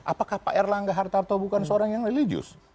apakah pak erlangga hartarto bukan seorang yang religius